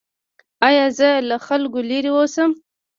ایا زه له خلکو لرې اوسم؟